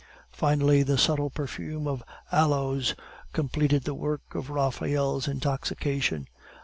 Finally, the subtle perfume of aloes completed the work of Raphael's intoxication.